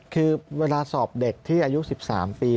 คือเวลาสอบเด็กที่อายุ๑๓ปี